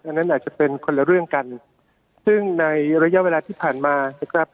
นั้นอาจจะเป็นคนละเรื่องกันซึ่งในระยะเวลาที่ผ่านมานะครับ